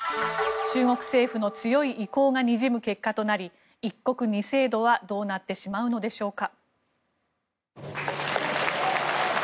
中国政府の強い意向がにじむ結果となり、一国二制度はどうなってしまうのでしょうか。